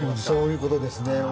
そういうことですね。